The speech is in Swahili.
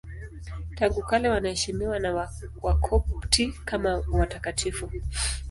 Tangu kale wanaheshimiwa na Wakopti kama watakatifu.